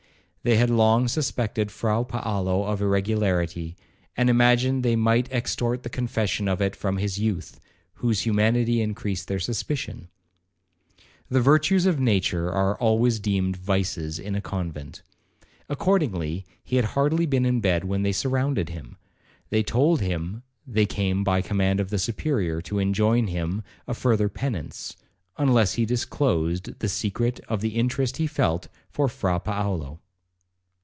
They had long suspected Fra Paolo of irregularity, and imagined they might extort the confession of it from this youth, whose humanity increased their suspicion. The virtues of nature are always deemed vices in a convent. Accordingly, he had hardly been in bed when they surrounded him. They told him they came by command of the Superior to enjoin him a further penance, unless he disclosed the secret of the interest he felt for Fra Paolo.